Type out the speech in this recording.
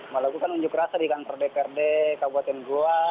melakukan unjuk rasa di kantor dprd kabupaten goa